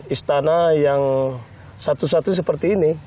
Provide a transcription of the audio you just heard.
istana yang satu satunya seperti ini